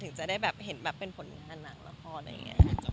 ถึงจะได้แบบเห็นแบบเป็นผลงานหนังละครอะไรอย่างนี้